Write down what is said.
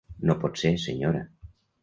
No pot ser, senyora.